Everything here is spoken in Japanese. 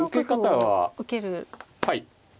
はい。